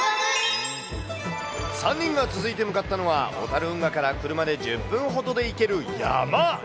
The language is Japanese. ３人が続いて向かったのは、小樽運河から車で１０分ほどで行ける山。